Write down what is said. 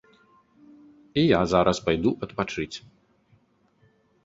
І я зараз пайду адпачыць.